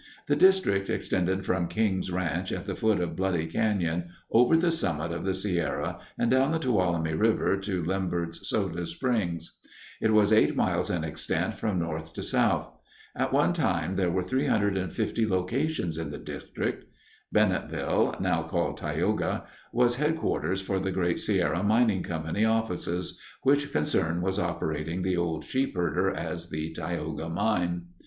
The district extended from King's Ranch, at the foot of Bloody Canyon, over the summit of the Sierra and down the Tuolumne River to Lembert's Soda Springs. It was eight miles in extent from north to south. At one time there were 350 locations in the district. Bennetville (now called Tioga) was headquarters for the Great Sierra Mining Company offices, which concern was operating the old Sheepherder as the "Tioga Mine."